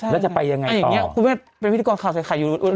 แล้วจะไปยังไงต่ออ่าอย่างเนี่ยคุณแม่ที่เผนพิธีกรข่าวใสต์ไข่อยู่